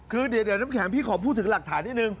คือเดี๋ยวน้ำแข็งพี่ขอพูดถึงหลักฐานนิดนึง